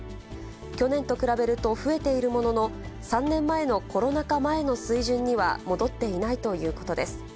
去年と比べると増えているものの、３年前のコロナ禍前の水準には戻っていないということです。